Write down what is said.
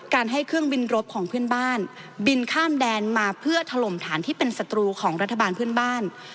ให้เครื่องบินรบของเพื่อนบ้านบินข้ามแดนมาเพื่อถล่มฐานที่เป็นศัตรูของรัฐบาลเพื่อนบ้าน